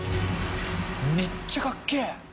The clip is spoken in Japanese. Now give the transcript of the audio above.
めっちゃかっけえ！